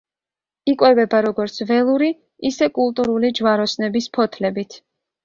იკვებება როგორც ველური, ისე კულტურული ჯვაროსნების ფოთლებით.